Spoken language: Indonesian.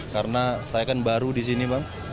karena saya kan baru di sini bang